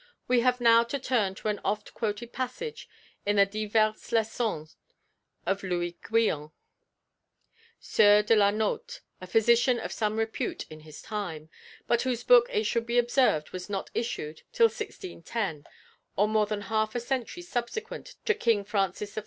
We have now to turn to an often quoted passage of the Diverses Leçons of Louis Guyon, sieur de la Nauthe, a physician of some repute in his time, but whose book it should be observed was not issued till 1610, or more than half a century subsequent to King Francis I.